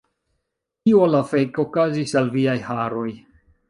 Kio la fek' okazis al viaj haroj